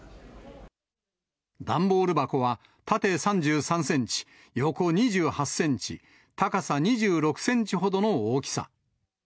段ボール箱は縦３３センチ、横２８センチ、高さ２６センチほどの大きさ。